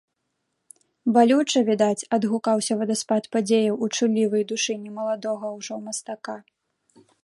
Балюча, відаць, адгукаўся вадаспад падзеяў у чуллівай душы не маладога ўжо мастака.